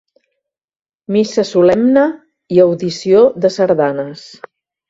Missa solemne i audició de sardanes.